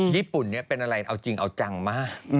ญี่ปุ่นนี้เป็นอะไรเอาจริงเอาจังมาก